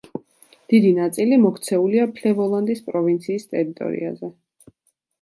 დიდი ნაწილი მოქცეულია ფლევოლანდის პროვინციის ტერიტორიაზე.